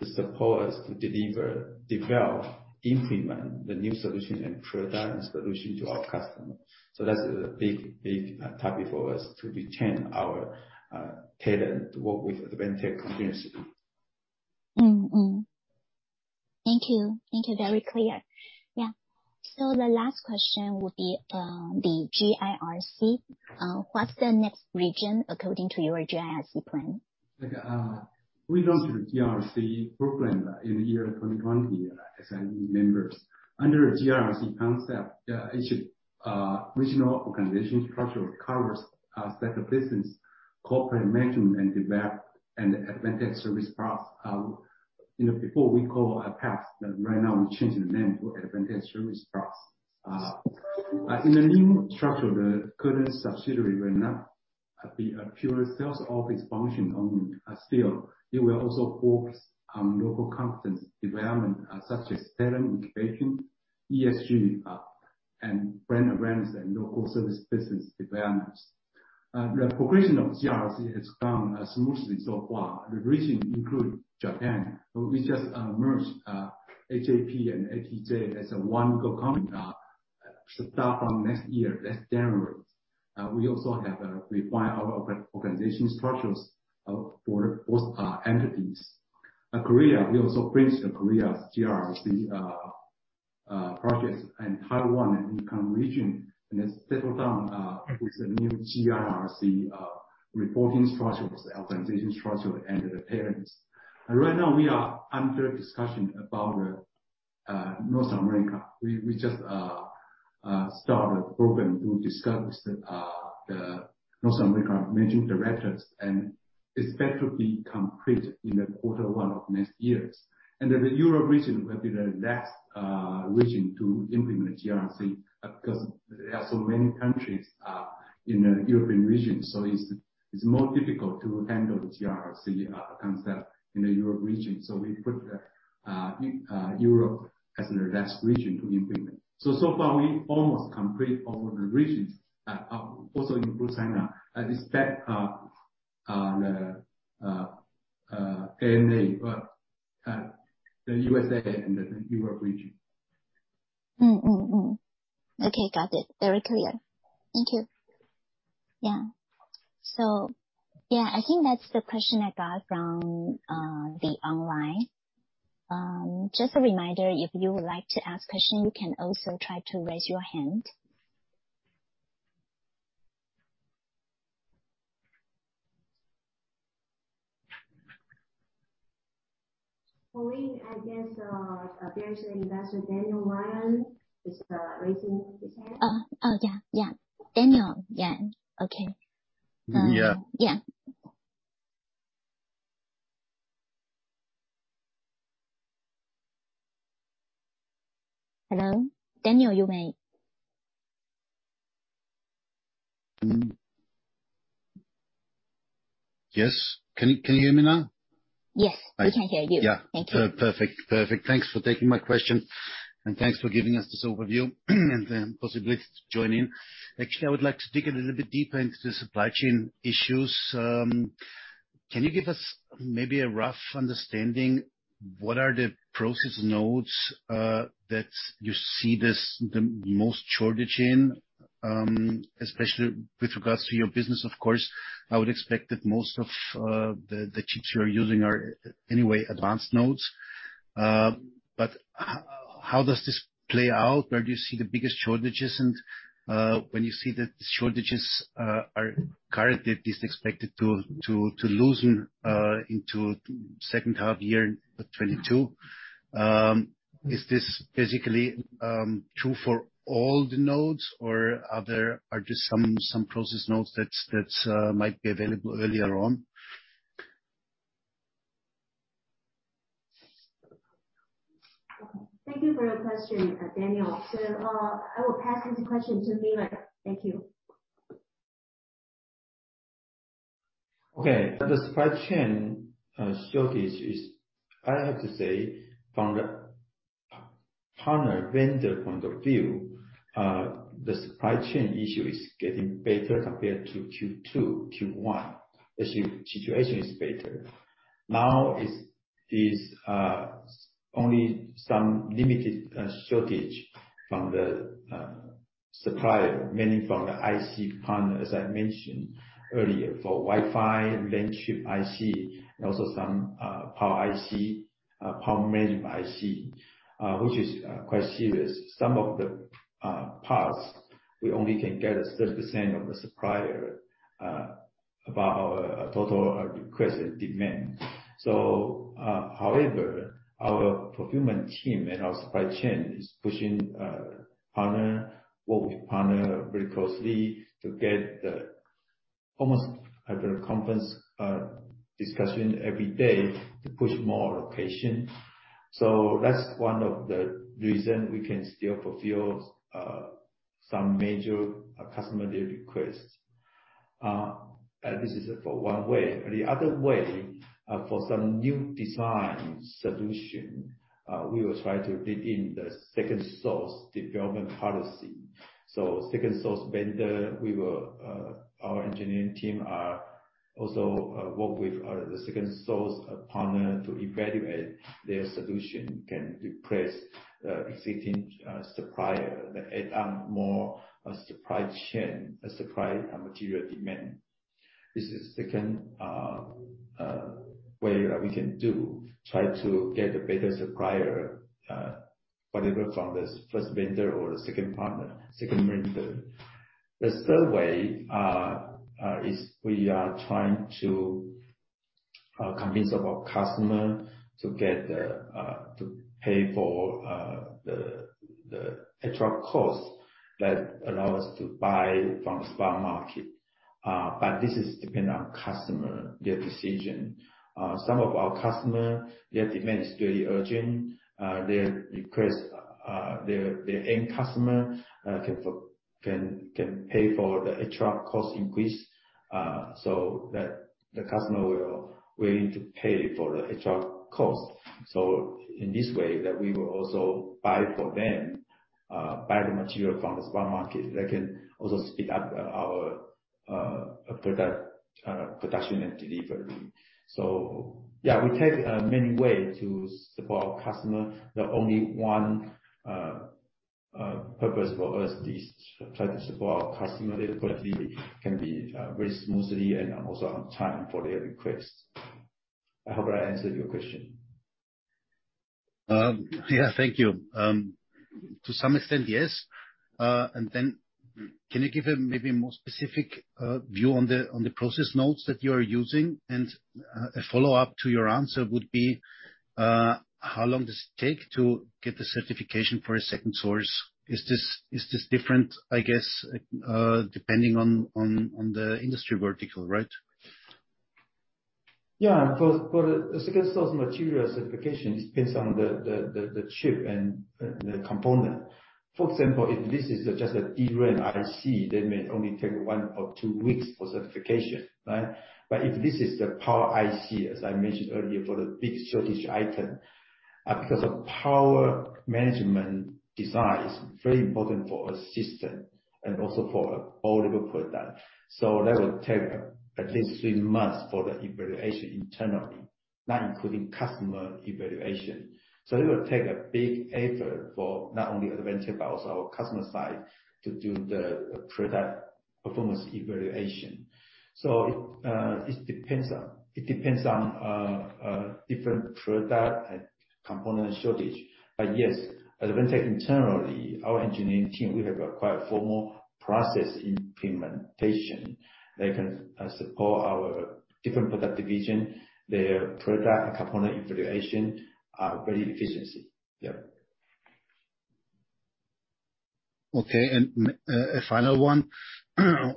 to support us, to deliver, develop, implement the new solution and product and solution to our customer. That's a big topic for us to retain our talent to work with Advantech continuously. Thank you. Very clear. Yeah. The last question would be the GIRC. What's the next region according to your GIRC plan? We launched the GIRC program in the year 2020, as I remember. Under GIRC concept, each regional organization structure covers a set of business, corporate management and develop and Advantech service parts. You know, before we called it AS+, but right now we're changing the name to Advantech Service Plus. In the new structure, the current subsidiary will not be a pure sales office function only. Still, it will also focus on local competence development, such as talent incubation, ESG, and brand awareness and local service business developments. The progression of GIRC has gone smoothly so far. The region include Japan. We just merged AJP and ATJ as a one go-to-market, start from next year, this January. We also have refined our organization structures for both entities. Korea, we also bring the Korea GIRC projects in Taiwan and Hong Kong region, and has settled down with the new GIRC reporting structures, organization structure and the partners. Right now we are under discussion about the North America. We just started a program to discuss the North America managing directors and expect to be complete in quarter one of next year. The Europe region will be the last region to implement GIRC because there are so many countries in the European region. It's more difficult to handle the GIRC concept in the Europe region. We put the Europe as the last region to implement. So far we almost complete all the regions, also include China. I expect the APAC, the USA and the Europe region. Okay, got it. Very clear. Thank you. Yeah. Yeah, I think that's the question I got from the online. Just a reminder, if you would like to ask question, you can also try to raise your hand. Pauline, I guess, Baillie Gifford investor, Daniel Ryan, is raising his hand. Yeah. Daniel, yeah. Okay. Yeah. Yeah. Hello, Daniel. You may. Yes. Can you hear me now? Yes. Right. We can hear you. Yeah. Thank you. Perfect. Thanks for taking my question, and thanks for giving us this overview, and then possibility to join in. Actually, I would like to dig a little bit deeper into the supply chain issues. Can you give us maybe a rough understanding, what are the process nodes that you see the most shortage in, especially with regards to your business, of course. I would expect that most of the chips you are using are anyway advanced nodes. But how does this play out? Where do you see the biggest shortages? When do you see the shortages, are they currently expected to loosen into second half year in 2022. Is this basically true for all the nodes or are there just some process nodes that might be available earlier on? Thank you for your question, Daniel. I will pass this question to Miller Chang. Thank you. Okay. The supply chain shortage is I have to say from the partner vendor point of view, the supply chain issue is getting better compared to Q2, Q1. The situation is better. Now is only some limited shortage from the supplier, mainly from the IC partner, as I mentioned earlier, for Wi-Fi, main chip IC, and also some power IC, power management IC, which is quite serious. Some of the parts we only can get 30% of the supplier about our total requested demand. However, our procurement team and our supply chain is pushing partner work with partner very closely to get the almost at the conference discussion every day to push more allocation. That's one of the reason we can still fulfill some major customer requests. This is one way. The other way, for some new design solution, we will try to dig into the second source development policy. Second source vendor, our engineering team will also work with the second source partner to evaluate their solution, can replace the existing supplier. Add on more supply chain, supply material demand. This is second way that we can do. Try to get a better supplier, whatever from the first vendor or the second partner, second vendor. The third way is we are trying to convince our customer to pay for the extra cost that allows us to buy from the spot market. This depends on customer, their decision. Some of our customer, their demand is very urgent. Their request, their end customer can pay for the extra cost increase, so that the customer will willing to pay for the extra cost. In this way, then we will also buy for them, buy the material from the spot market that can also speed up our product production and delivery. Yeah, we take many way to support our customer. The only one purpose for us is try to support our customer delivery can be very smoothly and also on time for their request. I hope I answered your question. Yeah, thank you. To some extent, yes. Can you give a maybe more specific view on the process nodes that you are using? A follow-up to your answer would be, how long does it take to get the certification for a second source? Is this different, I guess, depending on the industry vertical, right? For the second source material certification, it depends on the chip and the component. For example, if this is just a DRAM IC, that may only take one or two weeks for certification, right? If this is the power IC, as I mentioned earlier, for the big shortage item, because the power management design is very important for a system and also for all of our product, that will take at least three months for the evaluation internally, not including customer evaluation. It will take a big effort for not only Advantech but also our customer side to do the product performance evaluation. It depends on different product and component shortage. Yes, Advantech internally, our engineering team, we have a quite formal process implementation that can support our different product division, their product and component evaluation, very efficiently. Yeah. Okay. A final one,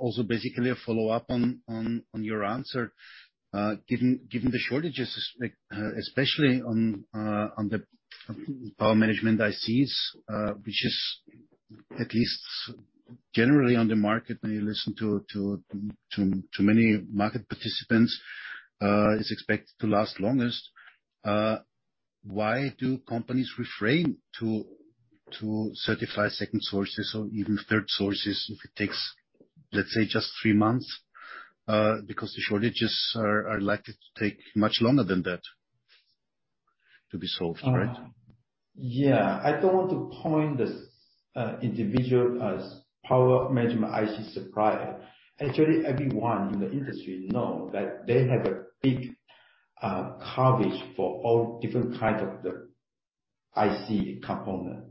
also basically a follow-up on your answer. Given the shortages, especially on the power management ICs, which is at least generally on the market, when you listen to many market participants, is expected to last longest. Why do companies refrain to certify second sources or even third sources if it takes, let's say, just three months? Because the shortages are likely to take much longer than that to be solved, right? Yeah. I don't want to point this individual as power management IC supplier. Actually, everyone in the industry know that they have a big coverage for all different kind of the IC component.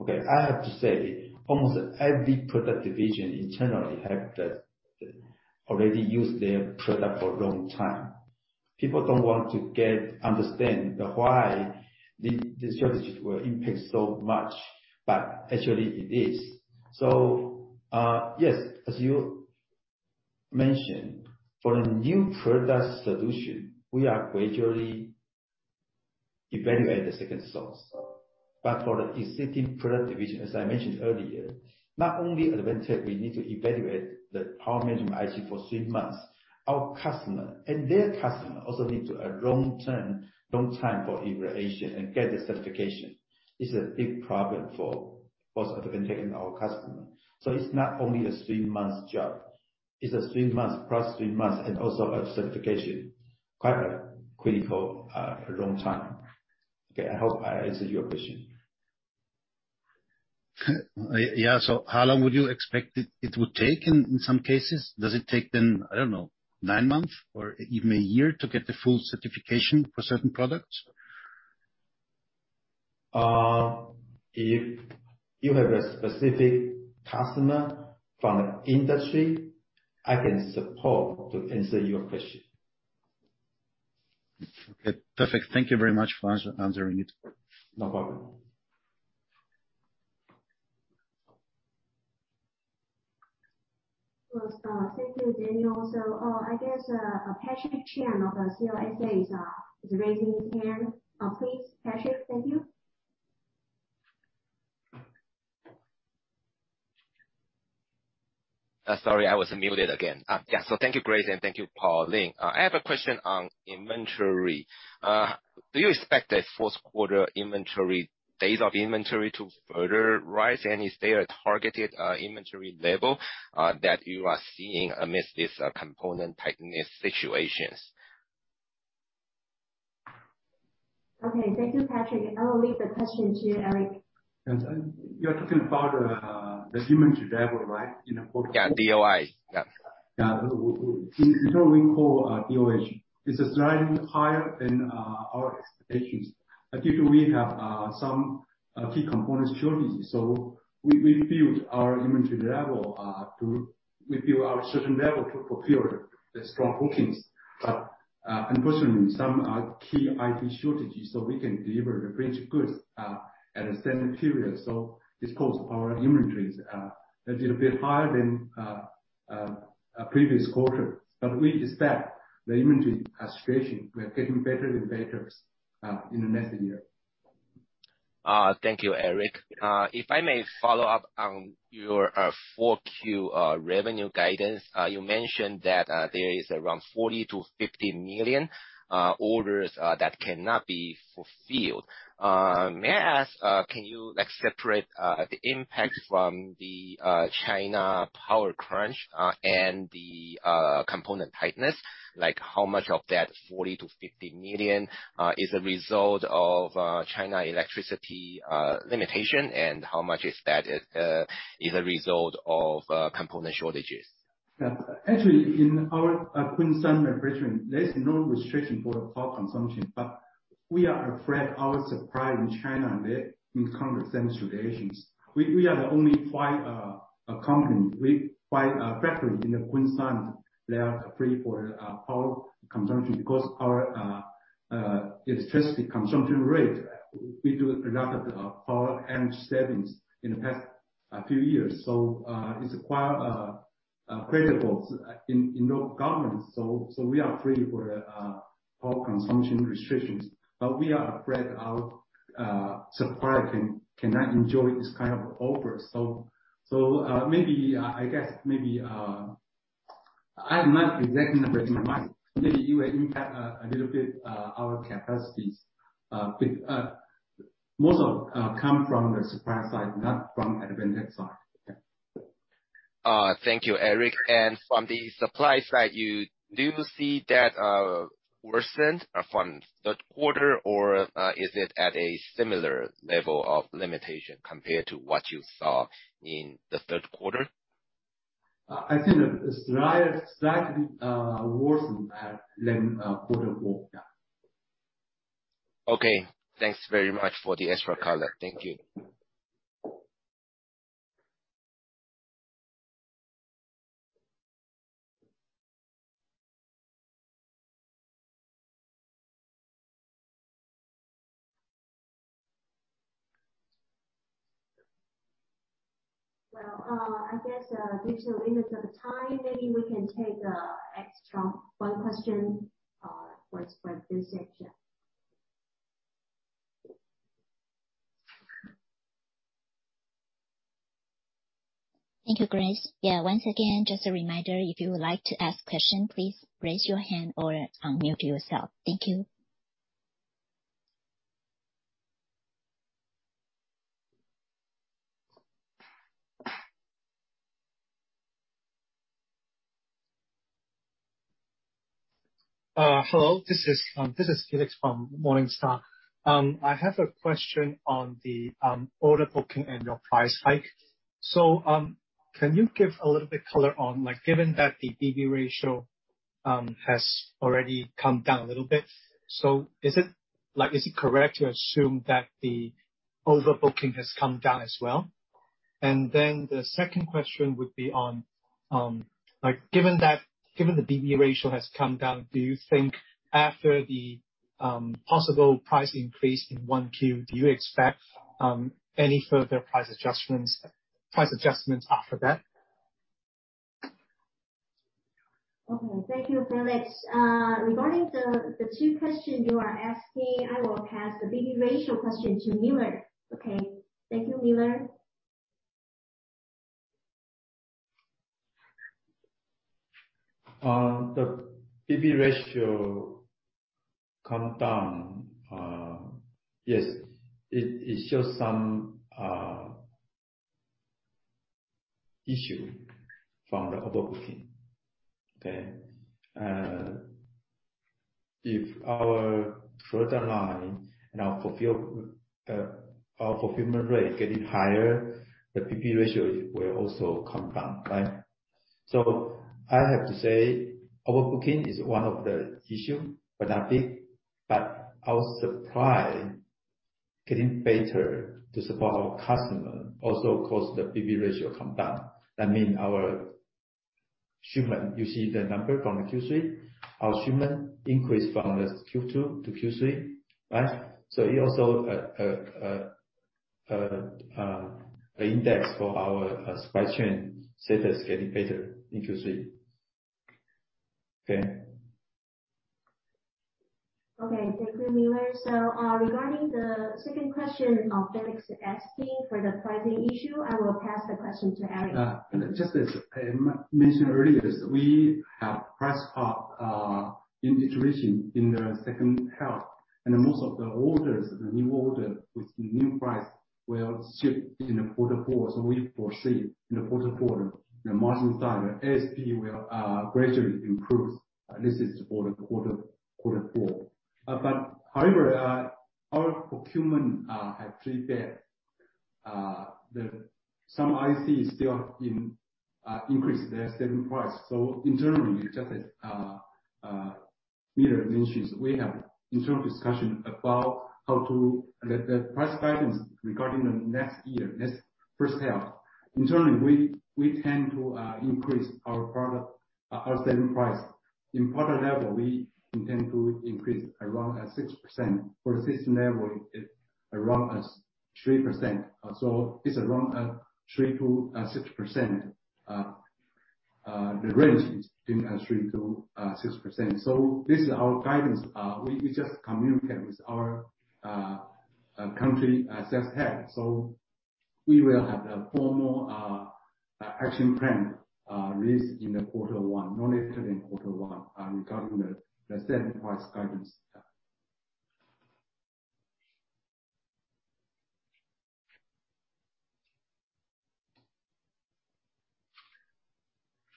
Okay. I have to say, almost every product division internally have already used their product for a long time. People don't want to understand why the shortages will impact so much, but actually it is. Yes, as you mentioned, for a new product solution, we are gradually evaluate the second source. But for the existing product division, as I mentioned earlier, not only Advantech we need to evaluate the power management IC for three months, our customer and their customer also need to a long-term, long time for evaluation and get the certification. This is a big problem for both Advantech and our customer. It's not only a three months job, it's a three months plus three months and also a certification. Quite a critical, long time. Okay. I hope I answered your question. How long would you expect it would take in some cases? Does it take them, I don't know, nine months or even a year to get the full certification for certain products? If you have a specific customer from the industry, I can support to answer your question. Okay, perfect. Thank you very much for answering it. No problem. Well, thank you, Daniel. I guess Patrick Chen of the CLSA is raising his hand. Please, Patrick. Thank you. Sorry, I was muted again. Yeah. Thank you, Grace, and thank you, Pauline Chen. I have a question on inventory. Do you expect the fourth quarter inventory days of inventory to further rise? Is there a targeted inventory level that you are seeing amidst this component tightness situations? Okay. Thank you, Patrick. I will leave the question to you, Eric. Yes. You're talking about the inventory level, right, in the fourth quarter. Yeah, DOI. Yeah. Yeah. Internally, we call DOH. It's a slightly higher than our expectations. Usually we have some key components shortages. We build our inventory level to our certain level to fulfill the strong bookings. Unfortunately, some key IC shortages, so we can deliver the finished goods at the same period. This cause our inventories are a little bit higher than A previous quarter, but we expect the inventory situation will get better and better in the next year. Thank you, Eric. If I may follow up on your 4Q revenue guidance. You mentioned that there is around 40 million-50 million orders that cannot be fulfilled. May I ask, can you, like, separate the impact from the China power crunch and the component tightness? Like, how much of that 40 million-50 million is a result of China electricity limitation and how much of that is a result of component shortages? Actually, in our Kunshan region, there is no restriction for power consumption, but we are afraid our suppliers in China may encounter same situations. We are the only company with five factories in Kunshan that are free for power consumption because our electricity consumption rate, we do a lot of power energy savings in the past few years. It's quite credible in the government. We are free for power consumption restrictions. But we are afraid our supplier cannot enjoy this kind of offer. I guess maybe I have not the exact number in mind. Maybe it will impact a little bit our capacities. Most come from the supply side, not from Advantech side. Yeah. Thank you, Eric. From the supply side, you do see that worsened from third quarter or is it at a similar level of limitation compared to what you saw in the third quarter? I think slightly worsened than quarter four. Yeah. Okay. Thanks very much for the extra color. Thank you. Well, I guess, due to time limit, maybe we can take one extra question for Phelix. Yeah. Thank you, Grace. Yeah. Once again, just a reminder, if you would like to ask question, please raise your hand or unmute yourself. Thank you. Hello. This is Phelix from Morningstar. I have a question on the order booking and your price hike. Can you give a little bit color on, like, given that the BB ratio has already come down a little bit? Is it, like, correct to assume that the overbooking has come down as well? The second question would be on, like, given that the BB ratio has come down, do you think after the possible price increase in 1Q, do you expect any further price adjustments after that? Okay. Thank you, Phelix. Regarding the two questions you are asking, I will pass the BB ratio question to Miller. Okay. Thank you, Miller. On the BB ratio come down, yes, it shows some issue from the overbooking. Okay? If our throughput line and our fulfillment rate getting higher, the BB ratio will also come down, right? I have to say, overbooking is one of the issue, but not big. Our supply getting better to support our customer also cause the BB ratio come down. That mean our shipment, you see the number from the Q3, our shipment increased from the Q2 to Q3, right? It also index for our supply chain status getting better in Q3. Okay. Okay. Thank you, Miller. Regarding the second question of Phelix asking for the pricing issue, I will pass the question to Eric. Just as I mentioned earlier, we have price parity integration in the second half, and most of the orders, the new order with the new price will ship in quarter four. We foresee in quarter four the margin side ASP will gradually improve. This is for quarter four. However, our procurement have prepared some ICs still increasing their selling price. Internally, just as Miller mentioned, we have internal discussion about how to set the price guidance regarding the next year, next first half. Internally, we tend to increase our product, our selling price. In product level, we intend to increase around 6%. For system level, it around 3%. It's around 3%-6%. The range is between 3%-6%. This is our guidance. We just communicate with our country sales head. We will have a formal action plan released in the quarter one, no later than quarter one, regarding the selling price guidance.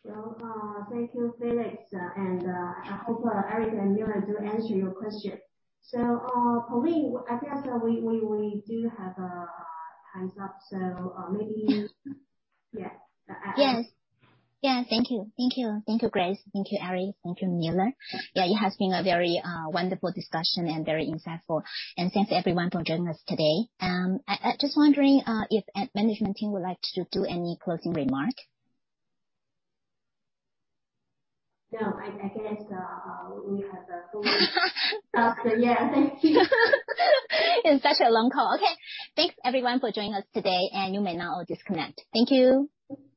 Yeah. Well, thank you, Phelix. I hope Eric and Miller do answer your question. Pauline, I think we do have time's up, so maybe. Yes. Thank you, Grace. Thank you, Eric. Thank you, Miller. Yeah, it has been a very wonderful discussion and very insightful. Thanks everyone for joining us today. I'm just wondering if the management team would like to do any closing remark? No. I guess we have full stop. Yeah. Thank you. It's such a long call. Okay. Thanks everyone for joining us today, and you may now all disconnect. Thank you.